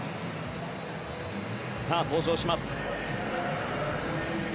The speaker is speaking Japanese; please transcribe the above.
さあ、登場します。